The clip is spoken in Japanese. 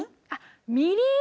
みりん。